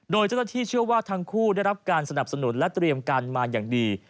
โดยเจ้าหน้าที่เชื่อว่าทั้งคู่ได้รับการสนับสนุนและเตรียมการมาอย่างดี